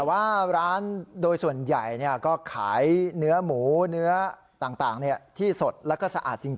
แต่ว่าร้านโดยส่วนใหญ่ก็ขายเนื้อหมูเนื้อต่างที่สดแล้วก็สะอาดจริง